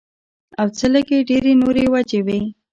او څۀ لږې ډېرې نورې وجې وي